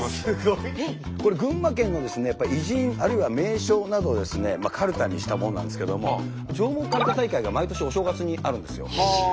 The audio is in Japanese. これが群馬県の偉人あるいは名所などをかるたにしたものなんですけども上毛かるた大会が毎年お正月にあるんですよ。